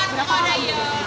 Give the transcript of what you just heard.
berapa harga ya